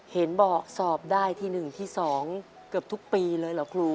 เห็นบอกสอบได้ที่๑ที่๒เกือบทุกปีเลยเหรอครู